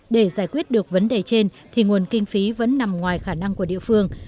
để giải quyết được vấn đề trên thì nguồn kinh phí vẫn nằm ngoài khả năng của địa phương